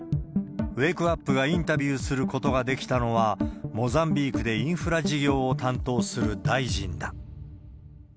ウェークアップがインタビューすることができたのは、モザンビークでインフラ事業を担当する大臣だ。